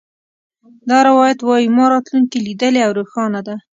دا روایت وایي ما راتلونکې لیدلې او روښانه ده